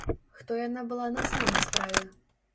Хто яна была на самай справе?